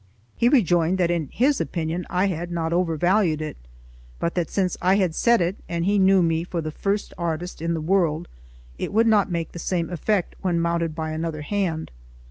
He rejoined that in his opinion I had not overvalued it; but that since I had set it, and he knew me for the first artist in the world, it would not make the same effect when mounted by another hand.